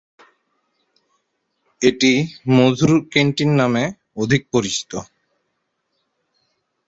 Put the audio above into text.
এটি '"মধুর ক্যান্টিন"' নামে অধিক পরিচিত।